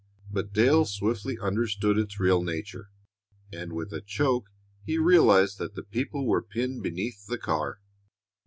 But Dale swiftly understood its real nature, and with a choke he realized that the people were pinned beneath the car.